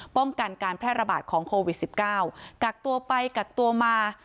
ป้องกันการแพร่ระบาดของโควิดสิบเก้ากักตัวไปกักตัวมา